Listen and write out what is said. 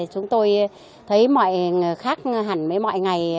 chúng tôi thấy mọi người khác hẳn với mọi ngày